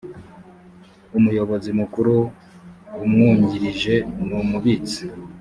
umuyobozi mukuru umwungirije n umubitsi